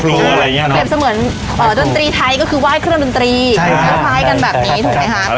เหมือนอ่าดนตรีไทยก็คือไหว้เครื่องดนตรีใช่ค่ะแล้วพลายกันแบบนี้ถูกไหมฮะ